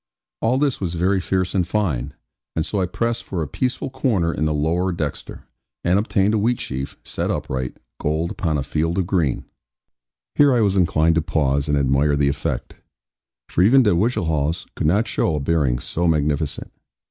All this was very fierce and fine; and so I pressed for a peaceful corner in the lower dexter, and obtained a wheat sheaf set upright, gold upon a field of green. Here I was inclined to pause, and admire the effect; for even De Whichehalse could not show a bearing so magnificent.